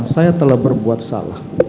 saya telah berbuat salah